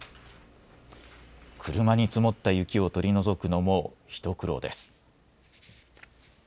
車に積もった雪を取り除くのも一苦労です。